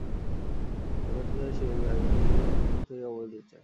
তারা ব্যর্থতার দায় স্বীকার করে হাইকোর্টে গিয়ে তদন্ত থেকে অব্যাহতি চায়।